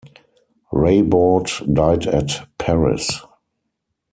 Reybaud died at Paris.